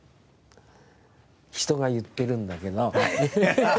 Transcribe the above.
人が言ってるんだけど。